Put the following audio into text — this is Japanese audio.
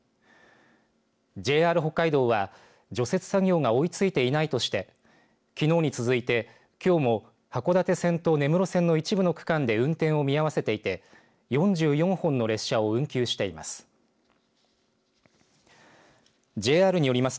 ＪＲ北海道は除雪作業が追いついていないとしてきのうに続いて、きょうも函館線と根室線の一部の区間で運転を見合わせていて４４本の列車を運休しています。